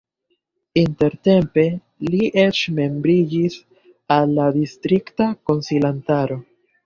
Intertempe li eĉ membriĝis al la distrikta konsilantaro.